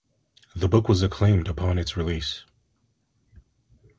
The book was acclaimed upon its release.